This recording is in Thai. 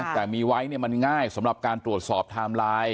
แต่มีไว้มันง่ายสำหรับการตรวจสอบไทม์ไลน์